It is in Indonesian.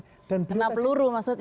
kena peluru maksudnya